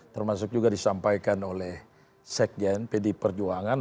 termasuk juga disampaikan oleh sekjen pd perjuangan